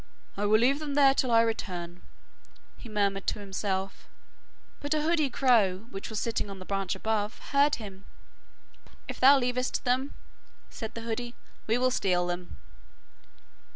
'I will leave them there till I return,' he murmured to himself, but a hoodie crow, which was sitting on a branch above, heard him. 'If thou leavest them,' said the hoodie, 'we will steal them.